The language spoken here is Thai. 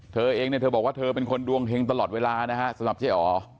เธอเองเนี่ยเธอบอกว่าเธอเป็นคนดวงเฮงตลอดเวลานะฮะสำหรับเจ๊อ๋อ